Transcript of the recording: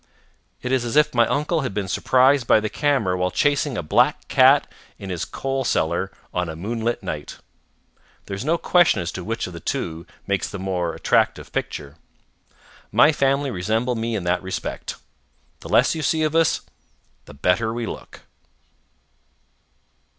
It is as if my uncle had been surprised by the camera while chasing a black cat in his coal cellar on a moonlight night. There is no question as to which of the two makes the more attractive picture. My family resemble me in that respect. The less you see of us, the better we look.